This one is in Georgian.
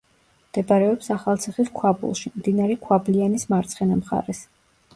მდებარეობს ახალციხის ქვაბულში, მდინარე ქვაბლიანის მარცხენა მხარეს.